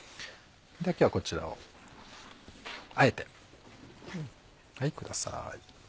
今日はこちらをあえてください。